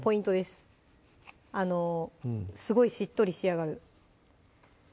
すごいしっとり仕上がる